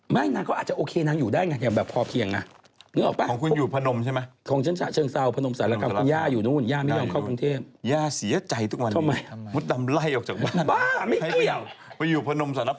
ไม่นะก็อาจจะโอเคนายอู่ได้อย่างเนี่ยอย่างแบบพอเพียง